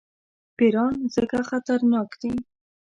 پیران ځکه خطرناک دي.